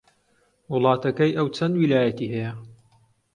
وڵاتەکەی ئەو چەند ویلایەتی هەیە؟